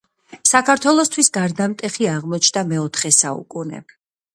საქართველოსთვის გარდამტეხი აღმოჩნდა მეოთხე საუკუნე